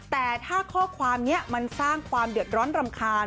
แต่ถ้าข้อความนี้มันสร้างความเดือดร้อนรำคาญ